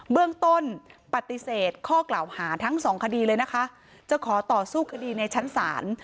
เบื้องต้นปฏิเสธข้อกล่าวหาทั้งสองคดีเลยนะคะจะขอต่อสู้คดีในชั้นศาล